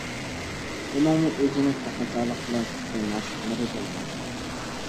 ئۇنىڭمۇ ئۆزىنى تەقەززالىق بىلەن كۈتكەن مەشۇقلىرى بولغان.